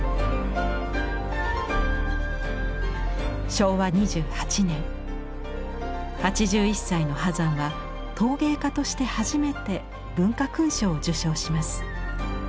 昭和２８年８１歳の波山は陶芸家として初めて文化勲章を受章します。